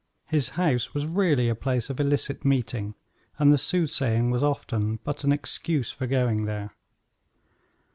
His house was really a place of illicit meeting, and the soothsaying was often but an excuse for going there.